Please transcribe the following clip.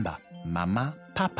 ママパパ。